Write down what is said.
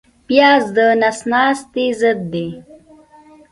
پیاز د نس ناستي ضد دی